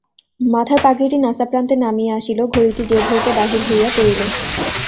মাথার পাগড়িটি নাসাপ্রান্তে নামিয়া আসিল, ঘড়িটি জেব হইতে বাহির হইয়া পড়িল।